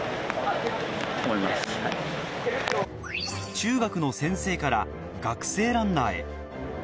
中学の先生から学生ランナーへ。